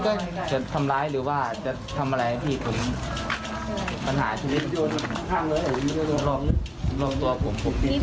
มาใกล้จะทำร้ายหรือว่าจะทำอะไรพี่ผมปัญหาชีวิตมีปัญหาทุกคน